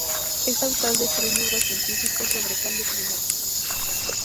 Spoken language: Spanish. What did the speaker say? Es autor de tres libros científicos sobre cambio climático.